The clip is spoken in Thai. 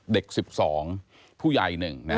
เด็ก๑๒ผู้ใหญ่หนึ่ง